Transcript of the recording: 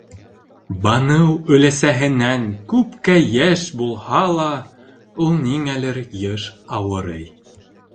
Баныу өләсәһенән күпкә йәш булһа ла, ул ниңәлер йыш ауырый.